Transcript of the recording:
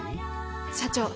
社長